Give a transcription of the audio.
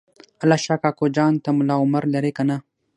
الله شا کوکو جان ته ملا عمر لرې یا نه؟